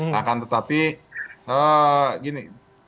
nah kan tetapi gini